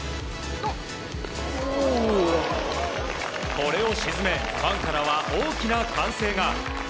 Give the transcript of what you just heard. これを沈めファンからは大きな歓声が。